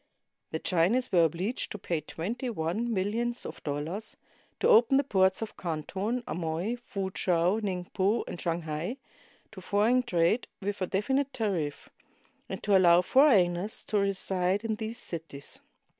The Chinese were obliged to pay twenty one millions of dollars, to open the ports of Canton, Amoy, Foo chow, Ningpo, and Shanghai to foreign trade with a definite tariff, and to allow foreigners to reside in these cities.